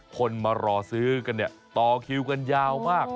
คนมารอซื้อกันเนี่ยต่อคิวกันยาวมาก